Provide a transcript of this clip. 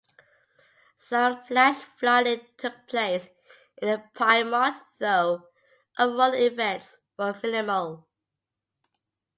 Some flash flooding took place in the Piedmont, though overall effects were minimal.